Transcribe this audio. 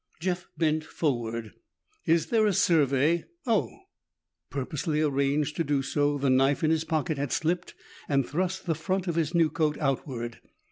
Jeff bent forward. "Is there a survey Oh!" Purposely arranged to do so, the knife in his pocket had slipped and thrust the front of his new coat outward.